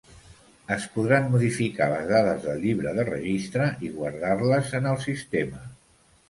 Es podran modificar les dades del llibre de registre i guardar-les en el sistema.